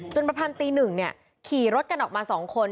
จนประพันธ์ตีหนึ่งเนี้ยขี่รถกันออกมาสองคน